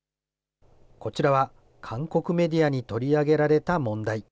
こちらは韓国メディアに取り上げられた問題。